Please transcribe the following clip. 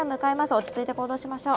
落ち着いて行動しましょう。